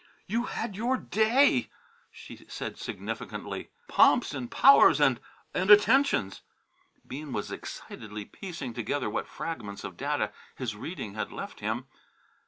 "You had your day," she said significantly; "pomps and powers and and attentions!" Bean was excitedly piecing together what fragments of data his reading had left him.